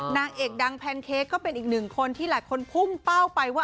นางเอกดังแพนเค้กก็เป็นอีกหนึ่งคนที่หลายคนพุ่งเป้าไปว่า